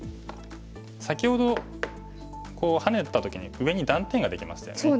先ほどハネた時に上に断点ができましたよね。